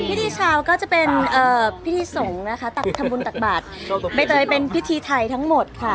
พิธีชาวก็จะเป็นพิธีสงฆ์นะคะทำบุญตักบาทใบเตยเป็นพิธีไทยทั้งหมดค่ะ